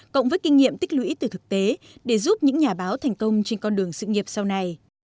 cộng với kinh nghiệm tích lũy từ thực tế để giúp những nhà báo thành công trên con đường sự nghiệp sau này